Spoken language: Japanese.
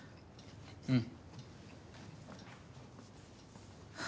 うん。